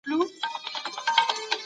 لاسي صنایع د ښځو د عاید ښه سرچینه ده.